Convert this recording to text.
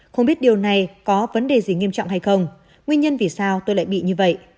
không biết điều này có vấn đề gì nghiêm trọng hay không nguyên nhân vì sao tôi lại bị như vậy